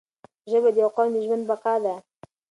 ژبه د یو قوم د ژوند بقا ده